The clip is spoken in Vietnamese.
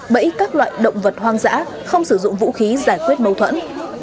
bẫy các loại động vật hoang dã không sử dụng vũ khí giải quyết mâu thuẫn